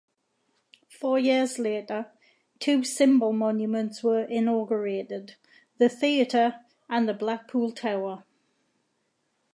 Four years later, two symbol-monuments were inaugurated: The Theater and the Blackpool Tower.